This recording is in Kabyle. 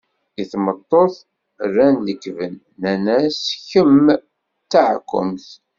I tmeṭṭut rran lekben nnan-as kemm d taɛkumt.